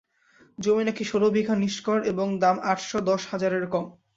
জমি নাকি ষোল বিঘা নিষ্কর এবং দাম আট-দশ হাজারের কম।